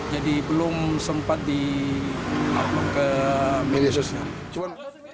jadi belum sempat di upload ke media sosial